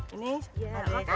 ini adik saya